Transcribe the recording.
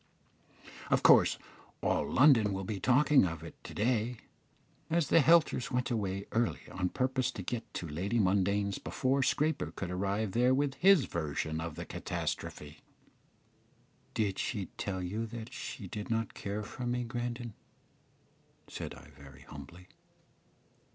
Of course all London will be talking of it to day, as the Helters went away early on purpose to get to Lady Mundane's before Scraper could arrive there with his version of the catastrophe." "Did she tell you she did not care for me, Grandon?" said I, very humbly.